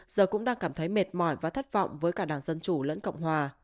giờ cũng đang cảm thấy mệt mỏi và thất vọng với cả đảng dân chủ lẫn cộng hòa